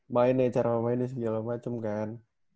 mainnya cara mainnya segala macem kan